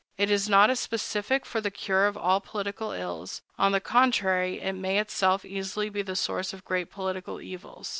It is not a specific for the cure of all political ills; on the contrary, it may itself easily be the source of great political evils.